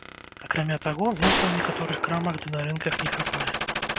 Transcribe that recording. Акрамя таго, мяса ў некаторых крамах ды на рынках не хапае.